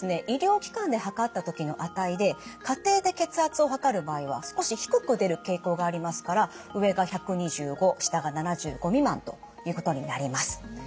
医療機関で測った時の値で家庭で血圧を測る場合は少し低く出る傾向がありますから上が１２５下が７５未満ということになります。